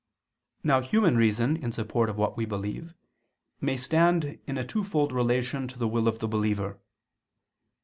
Now human reason in support of what we believe, may stand in a twofold relation to the will of the believer.